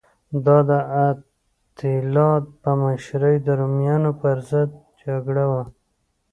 دا د اتیلا په مشرۍ د رومیانو پرضد جګړه وه